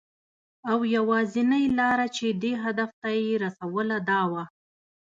او یوازېنۍ لاره چې دې هدف ته یې رسوله، دا وه .